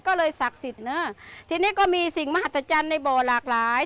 ก็เลยศักดิ์สิทธิ์เนอะทีนี้ก็มีสิ่งมหัศจรรย์ในบ่อหลากหลาย